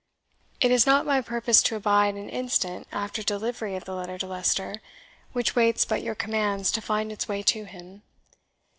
It is not my purpose to abide an instant after delivery of the letter to Leicester, which waits but your commands to find its way to him.